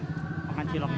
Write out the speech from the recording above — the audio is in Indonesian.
karena enak enak ciloknya